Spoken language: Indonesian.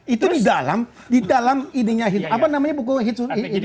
itu di dalam di dalam idinya hit apa namanya buku hit